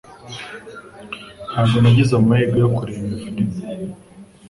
Ntabwo nagize amahirwe yo kureba iyo firime.